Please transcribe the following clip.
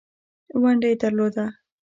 ونډه یې درلوده.